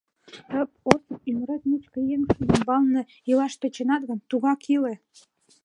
Тып, Осып, ӱмырет мучко еҥ шӱй ӱмбалне илаш тӧченат гын, тугак иле...